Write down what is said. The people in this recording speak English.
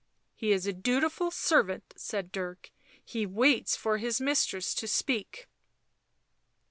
" He is a dutiful servant," said Dirk, " he waits for his mistress to speak."